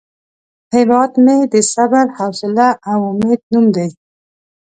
هیواد مې د صبر، حوصله او امید نوم دی